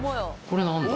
これ何か。